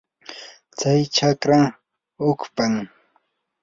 tsay chakra hukpam.